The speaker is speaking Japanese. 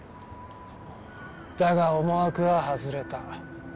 だが思惑は外れた。